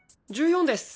１４です。